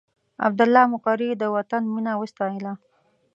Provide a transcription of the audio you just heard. عبدالله مقري د وطن مینه وستایله.